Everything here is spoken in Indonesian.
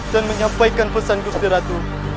dan menyampaikan pesan agustiratu